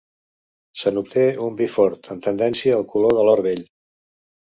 Se n'obté un vi fort, amb tendència al color de l'or vell.